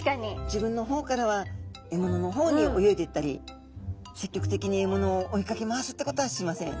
自分の方からは獲物の方に泳いでいったり積極的に獲物を追いかけ回すってことはしません。